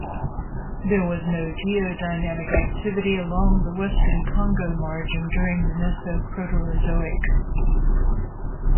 There was no geodynamic activity along the western Congo margin during the Mesoproterozoic.